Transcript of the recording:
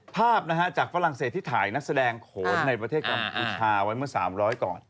ภาพนะฮะจากฝรั่งเศสที่ถ่ายนักแสดงโขนในประเทศกัมพูชาไว้เมื่อ๓๐๐ก่อน